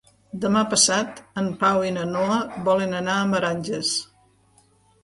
Demà passat en Pau i na Noa volen anar a Meranges.